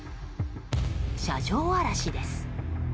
車上荒らしです。